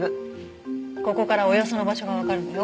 ここからおよその場所がわかるのよ。